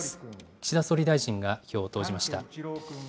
岸田総理大臣が票を投じました。